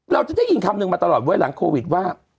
เราจะได้ยินคำหนึ่งมาตลอดไว้หลังโควิดว่า